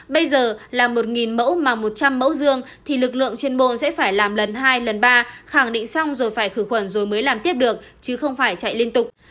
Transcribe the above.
bây giờ làm một mẫu mà một trăm linh mẫu dương thì lực lượng chuyên môn sẽ phải làm lần hai lần ba khẳng định xong rồi phải khử khuẩn rồi mới làm tiếp được chứ không phải chạy liên tục